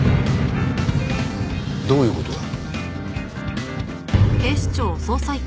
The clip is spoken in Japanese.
どういう事だ？